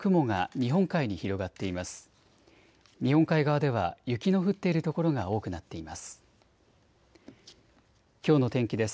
日本海側では雪の降っている所が多くなっています。